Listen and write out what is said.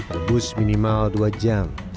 rebus minimal dua jam